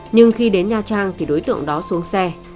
nhưng khi đến nha trang thì đối tượng đó xuống xe